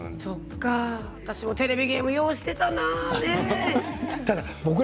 私もテレビゲームはよくやっていたな。